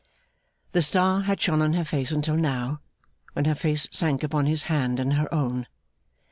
The star had shone on her face until now, when her face sank upon his hand and her own.